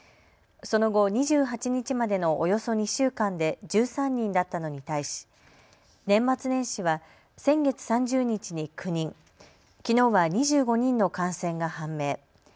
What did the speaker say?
その後、２８日までのおよそ２週間で１３人だったのに対し年末年始は先月３０日に９人、きのうは２５人の感染が判明。